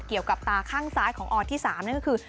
เกี่ยวกับตาข้างซ้ายของอที่สามก็คือ